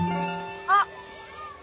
あっ！